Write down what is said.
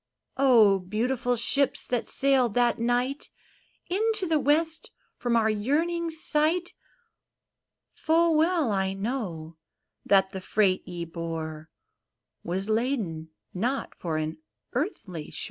Oh, beautiful ships, that sailed that night Into the west from our yearning sight. Full well I know that the freight ye bore Was laden not for an earthly shore